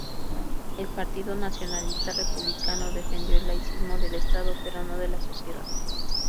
El Partido Nacionalista Republicano defendió el laicismo del Estado, pero no de la sociedad.